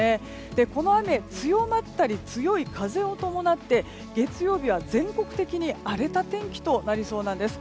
この雨、強まったり強い風を伴って月曜日は全国的に荒れた天気となりそうなんです。